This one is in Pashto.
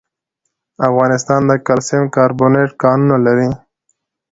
افغانستان د کلسیم کاربونېټ کانونه لري.